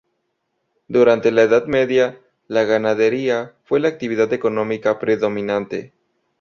Durante la Edad Media, la ganadería fue la actividad económica predominante.